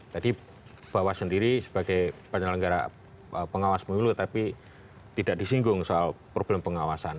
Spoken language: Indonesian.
tadi bawas sendiri sebagai penyelenggara pengawas pemilu tapi tidak disinggung soal problem pengawasan